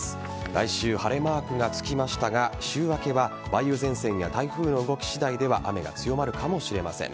来週、晴れマークがつきましたが週明けは梅雨前線が台風の動き次第では雨が強まるかもしれません。